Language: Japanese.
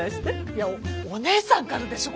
いやお姉さんからでしょ